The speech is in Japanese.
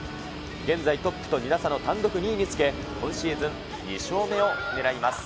現在トップと２打差の単独２位につけ、今シーズン２勝目をねらいます。